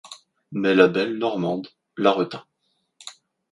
Mais la belle Normande la retint.